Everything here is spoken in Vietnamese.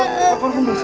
nào con không được sợ